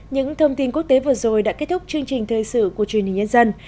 những thông tin quốc tế vừa rồi đã kết thúc chương trình thời sự của truyền hình nhân dân